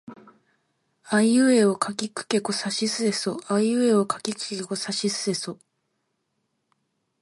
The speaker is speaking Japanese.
あいうえおかきくけこさしすせそあいうえおかきくけこさしすせそ